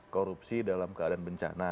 korupsi dalam keadaan bencana